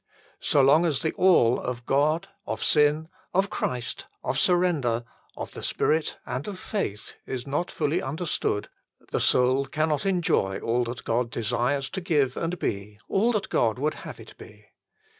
So long as the " All " of God, of sin, of Christ, of surrender, of the Spirit, and of faith, is not fully understood, the soul cannot enjoy all that God desires to give and be, all that God would have it be.